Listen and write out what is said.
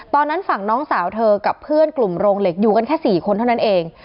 ตอนนั้นฝั่งน้องสาวเธอกับเพื่อนกลุ่มโรงเหล็กอยู่กันแค่๔คนเท่านั้นเอง